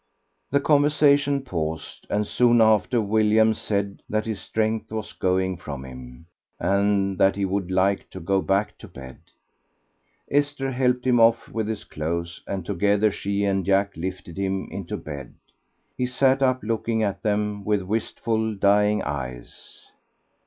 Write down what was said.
The conversation paused, and soon after William said that his strength was going from him, and that he would like to go back to bed. Esther helped him off with his clothes, and together she and Jack lifted him into bed. He sat up looking at them with wistful, dying eyes.